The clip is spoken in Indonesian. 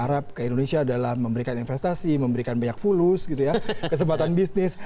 raja arab ke indonesia adalah memberikan investasi memberikan banyak fulus kesempatan bisnis